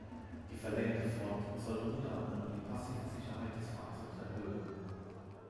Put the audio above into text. Die verlängerte Front sollte unter anderem die passive Sicherheit des Fahrzeugs erhöhen.